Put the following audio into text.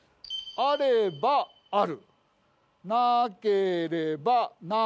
「あればある」